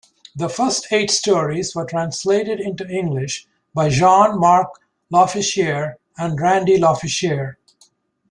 The first eight stories were translated into English by Jean-Marc Lofficier and Randy Lofficier.